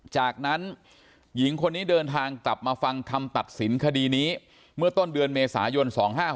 จากนั้นหญิงคนนี้เดินทางกลับมาฟังคำตัดสินคดีนี้เมื่อต้นเดือนเมษายน๒๕๖๖